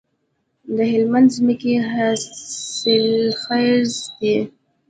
د هلمند ځمکې حاصلخیزه دي